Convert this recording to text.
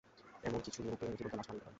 এমন খিঁচুনি ওকে জীবন্ত লাশ বানিয়ে দিতে পারে।